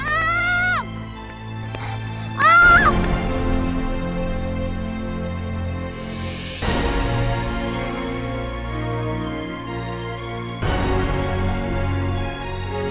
am ini kembaliannya